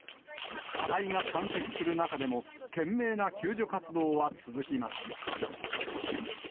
課題が山積する中でも、懸命な救助活動は続きます。